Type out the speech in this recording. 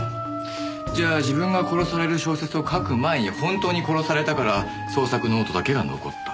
じゃあ自分が殺される小説を書く前に本当に殺されたから創作ノートだけが残った。